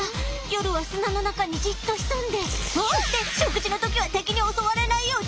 夜は砂の中にじっと潜んでそして食事の時は敵に襲われないよう超高速発射！